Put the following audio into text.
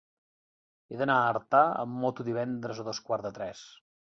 He d'anar a Artà amb moto divendres a dos quarts de tres.